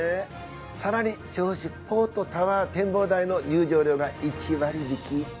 更に銚子ポートタワー展望台の入場料が１割引き。